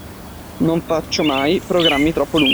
Non faccio mai programmi troppo lunghi.